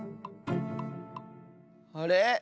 あれ？